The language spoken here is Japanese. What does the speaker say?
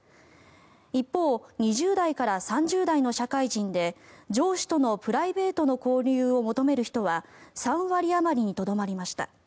一方２０代から３０代の社会人で上司とのプライベートの交流を求める人は３割あまりにとどまりました。